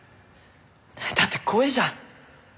だって怖えじゃん。